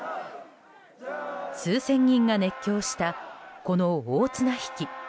数千人が熱狂したこの大綱引き。